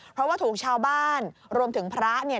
เพราะว่าถูกชาวบ้านรวมถึงพระเนี่ย